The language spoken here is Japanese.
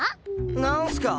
なんすか？